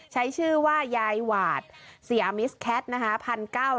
ใช้ชื่อว่ายายหวาดเสียมิสแคทนะคะ